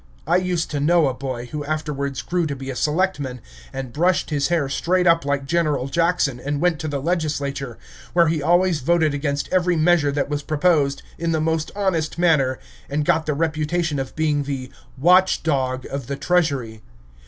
I used to know a boy, who afterwards grew to be a selectman, and brushed his hair straight up like General Jackson, and went to the legislature, where he always voted against every measure that was proposed, in the most honest manner, and got the reputation of being the "watch dog of the treasury."